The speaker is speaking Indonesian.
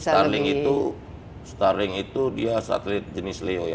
nah itu starlink itu starlink itu dia satelit jenis leo ya